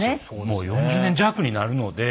もう４０年弱になるので。